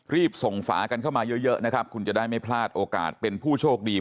รีบส่งฝากันเข้ามาเยอะนะครับคุณจะได้ไม่พลาดโอกาสเป็นผู้โชคดี